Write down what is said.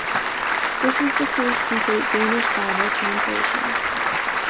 This is the first complete Danish Bible translation.